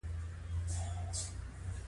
دوی په بشپړه توګه له سیاست څخه وځي.